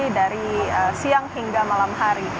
dari siang hingga malam hari